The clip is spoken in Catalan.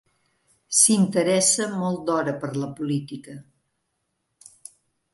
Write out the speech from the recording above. S'interessa molt d'hora per la política.